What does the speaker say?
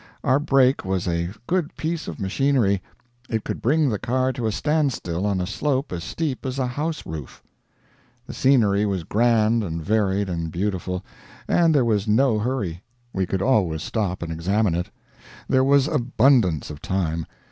Our brake was a good piece of machinery; it could bring the car to a standstill on a slope as steep as a house roof. The scenery was grand and varied and beautiful, and there was no hurry; we could always stop and examine it. There was abundance of time.